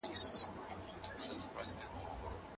که خلک کورني خواړه وخوري نو له ناروغیو ژغورل کېږي.